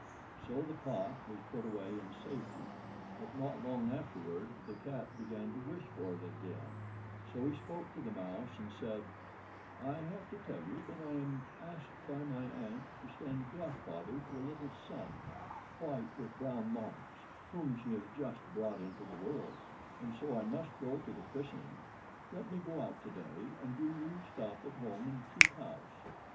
So the pot was put away in safety; but not long afterward the cat began to wish for it again, so he spoke to the mouse and said: "I have to tell you that I am asked by my aunt to stand godfather to a little son, white with brown marks, whom she has just brought into the world, and so I must go to the christening. Let me go out to day, and do you stop at home and keep house."